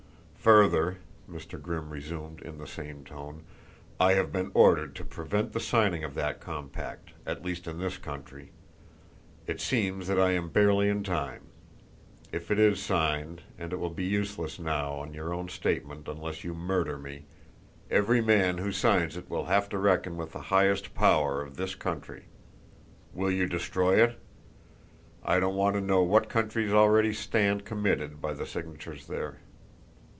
"Further," Mr. Grimm resumed in the same tone, "I have been ordered to prevent the signing of that compact, at least in this country. It seems that I am barely in time. If it is signed and it will be useless now on your own statement unless you murder me every man who signs it will have to reckon with the highest power of this country. Will you destroy it? I don't want to know what countries already stand committed by the signatures there."